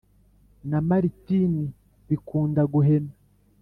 Na Maritini Bikundaguhena